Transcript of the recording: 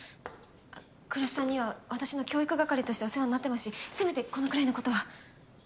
あっ来栖さんには私の教育係としてお世話になってますしせめてこのくらいのことは。